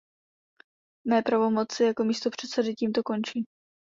Mé pravomoci jako místopředsedy tímto končí.